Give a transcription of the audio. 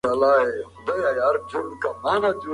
که ده رښتيا ويلي وای، نو سره زر به ترې اخيستل شوي وو.